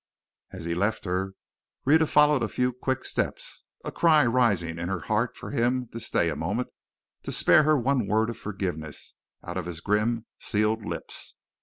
As he left her, Rhetta followed a few quick steps, a cry rising in her heart for him to stay a moment, to spare her one word of forgiveness out of his grim, sealed lips.